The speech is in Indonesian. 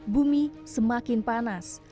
bumi semakin panas